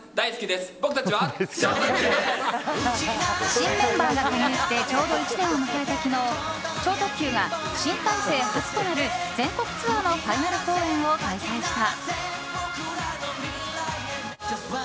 新メンバーが加入してちょうど１年を迎えた昨日超特急が新体制初となる全国ツアーのファイナル公演を開催した。